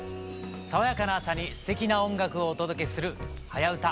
爽やかな朝にすてきな音楽をお届けする「はやウタ」。